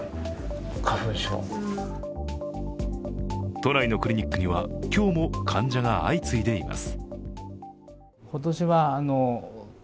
都内のクリニックには今日も患者が相次いでいます。